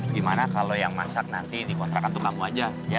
gimana kalau yang masak nanti dikontrakan tuh kamu aja